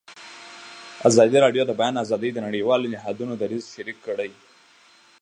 ازادي راډیو د د بیان آزادي د نړیوالو نهادونو دریځ شریک کړی.